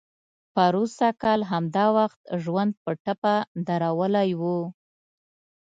پروسږ کال همدا وخت ژوند په ټپه درولی و.